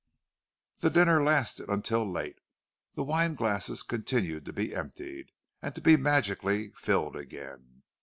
The dinner lasted until late. The wine glasses continued to be emptied, and to be magically filled again.